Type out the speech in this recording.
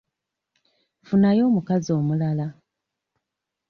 Funayo omukazi omulala.